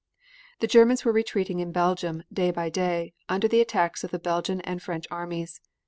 The Germans were retreating in Belgium day by day, under the attacks of the Belgian and French armies.